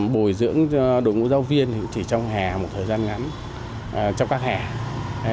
bồi dưỡng đội ngũ giáo viên thì chỉ trong hẻ một thời gian ngắn trong các hẻ